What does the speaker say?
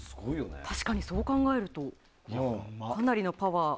確かに、そう考えるとかなりのパワー。